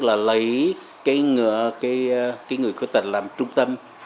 là lấy cái người có tật làm trung tâm